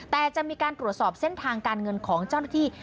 แต่จะมีการตรวจสอบเส้นทางการเงินของเจ้าหน้าที่